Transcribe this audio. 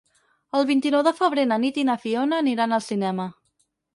El vint-i-nou de febrer na Nit i na Fiona aniran al cinema.